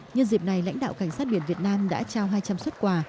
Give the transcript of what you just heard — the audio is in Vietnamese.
nhân dịp này lãnh đạo cảnh sát biển việt nam đã trao hai trăm linh xuất quà